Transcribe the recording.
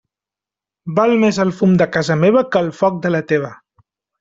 Val més el fum de casa meva que el foc de la teva.